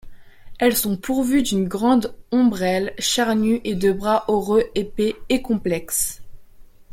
Elles sont pourvues d'une grande ombrelle charnue et de bras oraux épais et complexes.